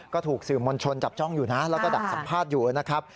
ก็ถูกสื่อมวลชนจับจ้องอยู่นะแล้วก็ดักสัมภาษณ์อยู่นะครับ